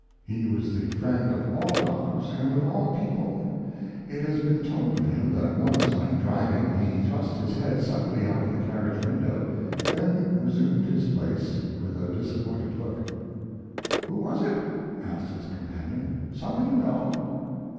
He was the friend of all dogs, and of all people. It has been told of him that once, when driving, he thrust his head suddenly out of the carriage window, then resumed his place with a disappointed look. "Who was it?" asked his companion. "Some one you know?"